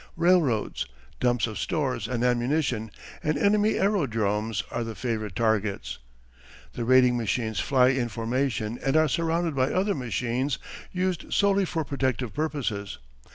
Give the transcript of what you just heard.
Railroads, dumps of stores and ammunition, and enemy aerodromes are the favourite targets. The raiding machines fly in formation and are surrounded by other machines used solely for protective purposes.